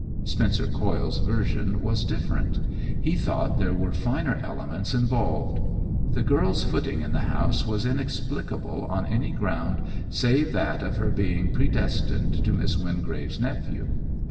Spencer Coyle's version was dif ferent; he thought there were finer elements involved. The girl's footing in the house was inexplicable on any ground save that of her being predestined to Miss Wingrave's nephew.